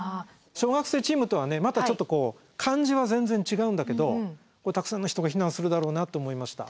小学生チームとはねまたちょっとこう感じは全然違うんだけどたくさんの人が避難するだろうなと思いました。